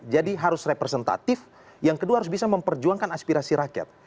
jadi harus representatif yang kedua harus bisa memperjuangkan aspirasi rakyat